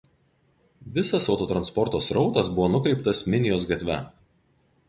Visas autotransporto srautas buvo nukreiptas Minijos gatve.